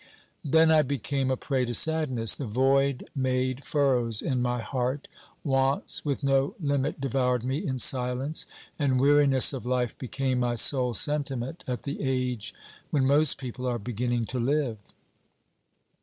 Then I became a prey to sadness ; the void made furrows in my heart, wants with no limit devoured me in silence, and weariness of life became my sole sentiment at the age when most people are beginning to live.